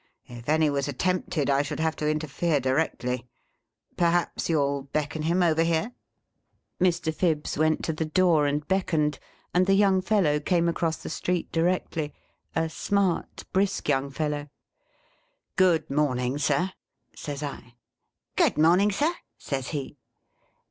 If any was attempted, I should have to interfere directly. Perhaps you '11 beckon him over here T Mr. Pbibbs went to the door and beckoned, and the young fellow came across the street directly ; a smart, brisk young fellow. "' Good morning, Sir,' says I. ' Good morning, Sir,' says he.